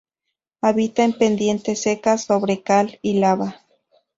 Habita en pendientes secas, sobre cal y lava.